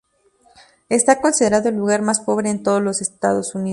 Está considerado el lugar más pobre en todos los Estados Unidos